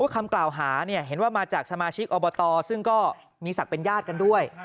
คำกล่าวหาเห็นว่ามาจากสมาชิกอบตซึ่งก็มีศักดิ์เป็นญาติกันด้วย